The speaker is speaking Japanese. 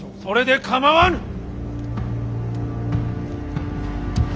それで構わぬ。